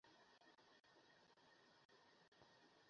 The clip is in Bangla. আমরা পুনঃপুন পড়িয়াছি যে, এই আত্মাকে দর্শন করিতে হইবে, অনুভব করিতে হইবে।